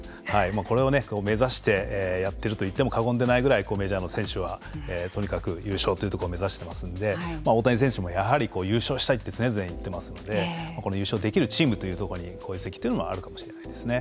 これを目指してやってると言っても過言でないぐらいメジャーの選手はとにかく優勝というところを目指してますんで大谷選手もやはり優勝したいって常々言ってますのでこの優勝できるチームというところに移籍というのもあるかもしれないですね。